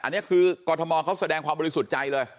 อันนี้คือกรทมเขาแสดงความบริสุทธิ์ใจเลย